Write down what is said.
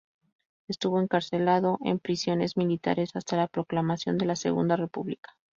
Estuvo encarcelado en prisiones militares hasta la proclamación de la Segunda República.